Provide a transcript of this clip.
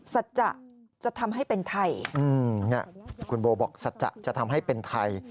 สัจจะจะทำให้เป็นไทย